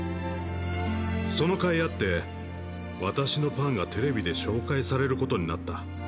そのかいあって私のパンがテレビで紹介されることになった